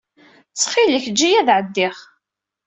Ttxil-k, ejj-iyi ad ɛeddiɣ.